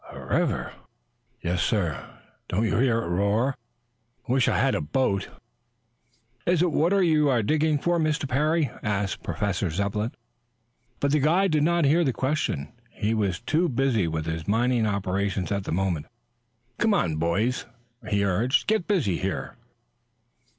"A river?" "Yes, sir. Don't you hear it roar? Wish I had a boat." "Is it water you are digging for, Mr. Parry?" asked Professor Zepplin. But the guide did not hear the question. He was too busy with his mining operations at the moment. "Come on, boys," he urged. "Get busy here."